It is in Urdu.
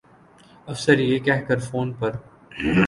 افسر یہ کہہ کر فون پر